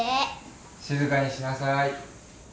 静かにしなさい。